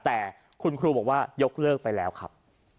แต่คุณครูบอกว่ายกเลิกไปแล้วครับ